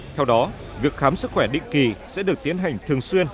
theo đó việc khám sức khỏe định kỳ sẽ được tiến hành thường xuyên